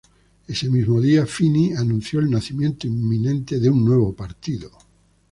Ese mismo día Fini anunció el nacimiento inminente de un nuevo partido.